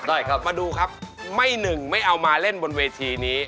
ได้ครับมาดูครับไม่หนึ่งไม่เอามาเล่นบนเวทีนี้